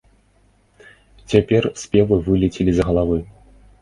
Цяпер спевы вылецелі з галавы.